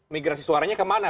migrasi suaranya kemana